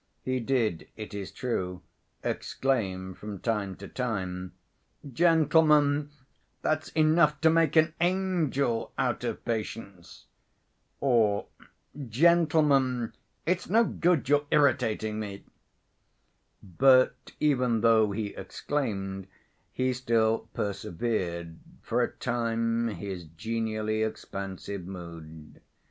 He did, it is true, exclaim, from time to time, "Gentlemen, that's enough to make an angel out of patience!" Or, "Gentlemen, it's no good your irritating me." But even though he exclaimed he still preserved for a time his genially expansive mood.